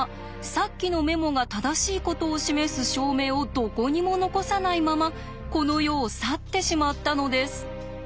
さっきのメモが正しいことを示す証明をどこにも残さないままこの世を去ってしまったのです。